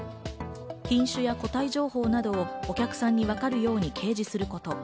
品種や個体情報などをお客さんにわかるように掲示すること。